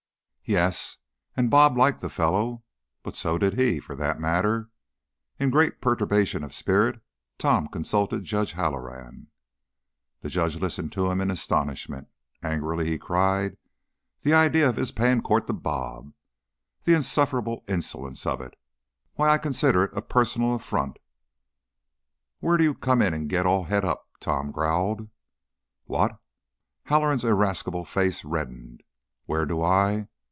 Yes, and "Bob" liked the fellow but so did he, for that matter. In great perturbation of spirit Tom consulted Judge Halloran. The judge listened to him in astonishment; angrily he cried: "The idea of his paying court to 'Bob'! The insufferable insolence of it! Why, I consider it a personal affront." "Where do you come in to get all het up?" Tom growled. "What?" Halloran's irascible face reddened. '"Where do I